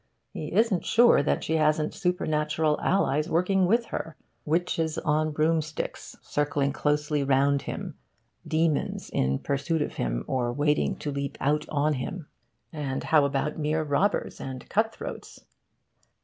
He isn't sure that she hasn't supernatural allies working with her witches on broomsticks circling closely round him, demons in pursuit of him or waiting to leap out on him. And how about mere robbers and cutthroats?